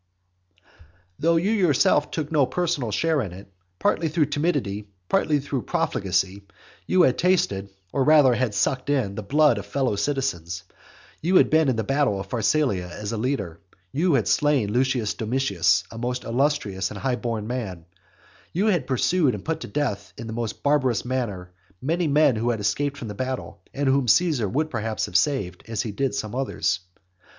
XXIX. Though you yourself took no personal share in it, partly through timidity, partly through profligacy, you had tasted, or rather had sucked in, the blood of fellow citizens: you had been in the battle of Pharsalia as a leader; you had slain Lucius Domitius, a most illustrious and high born man; you had pursued and put to death in the most barbarous manner many men who had escaped from the battle, and whom Caesar would perhaps have saved, as he did some others.